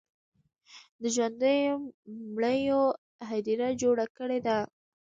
د ژوندو مړیو هدیره جوړه کړې ده.